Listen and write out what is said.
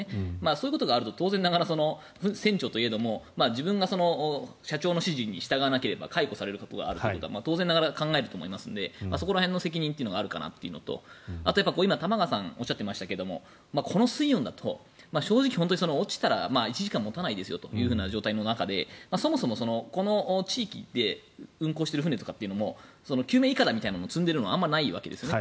そういうことがあると当然ながら船長といえども自分が社長の指示に従わなければ従わなければ解雇させるというか当然あると思いますのでそこら辺の責任というのがあるかなというのと今、玉川さんがおっしゃっていましたけれどこの水温だと落ちたら１時間持たないですよという状態の中でそもそもこの地域で運航している船とかでも救命いかだみたいなものを積んでいるのがあまりないわけですね。